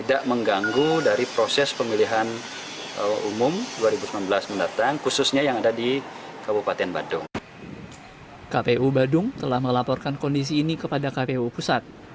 sementara perbaikan atau pergantian logistik kpu badung telah melaporkan kondisi ini kepada kpu pusat